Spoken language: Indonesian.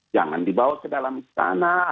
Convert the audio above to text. jangan dibawa ke dalam istana